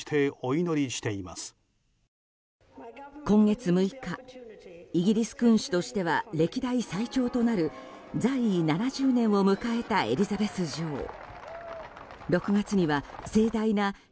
今月６日イギリス君主としては歴代最長となる在位７０年を迎えたエリザベス女王。